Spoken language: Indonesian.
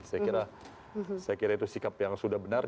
saya kira itu sikap yang sudah benar